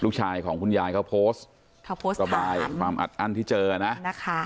ลูกชายของคุณยายเขาโพสต์เขาโพสต์ระบายความอัดอั้นที่เจอนะนะคะ